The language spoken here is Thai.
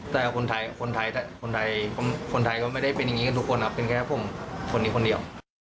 แต่คนไทยคนไทยก็ไม่ได้เป็นอย่างนี้กับทุกคนเป็นแค่ผมคนนี้คนเดียว